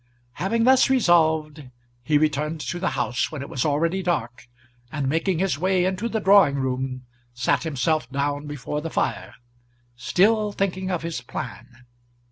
Having thus resolved, he returned to the house, when it was already dark, and making his way into the drawing room, sat himself down before the fire, still thinking of his plan.